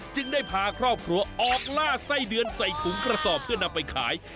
ได้พาครอบครัวออกล่าไส้เดือนใส่ถุงกระสอบเพื่อนำไปขาย